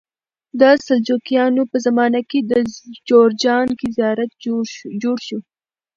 د سلجوقیانو په زمانه کې په جوزجان کې زیارت جوړ شو.